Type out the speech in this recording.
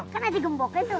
kan ada di gemboknya tuh